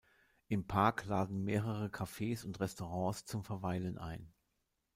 Im Park laden mehrere Kaffees und Restaurants zum Verweilen ein.